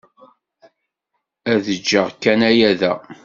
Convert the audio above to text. Ad ǧǧeɣ kan aya da.